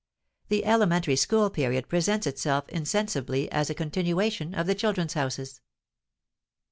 The elementary school period presents itself insensibly as a continuation of the "Children's Houses."